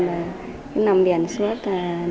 là nằm biển suốt